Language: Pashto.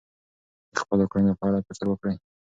د خپلو کړنو په اړه فکر وکړئ.